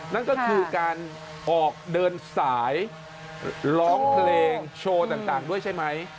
นั่นก็คือการออกเดินสายร้องเพลงโชว์ต่างด้วยใช่ไหม